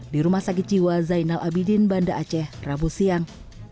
di rumah sakit jiwa zainal abidin banda aceh rabu siang